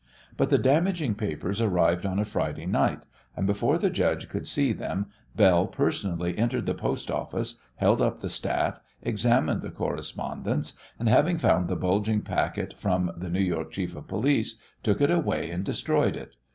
But the damaging papers arrived on a Friday night, and before the judge could see them Belle personally entered the post office, held up the staff, examined the correspondence, and, having found the bulging packet from the New York Chief of Police, took it away and destroyed it.